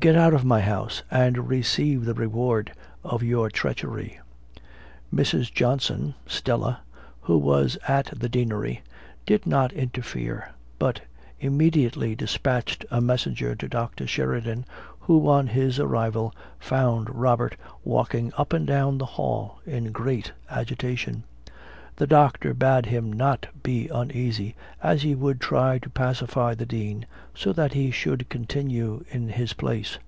get out of my house, and receive the reward of your treachery." Mrs. Johnson (Stella), who was at the deanery, did not interfere, but immediately dispatched a messenger to Dr. Sheridan, who on his arrival found Robert walking up and down the hall in great agitation. The doctor bade him not be uneasy, as he would try to pacify the dean, so that he should continue in his place.